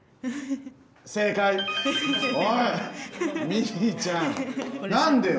ミーちゃん何でよ？